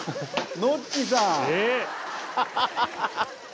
ノッチさん！